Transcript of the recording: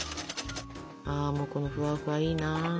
ああもうこのふわふわいいな。